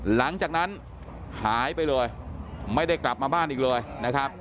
หลังจากนั้นหายไปเลยไม่ได้กลับมาบ้านอีกเลยนะครับ